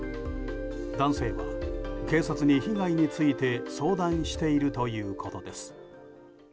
男性は警察に被害について相談しているということです。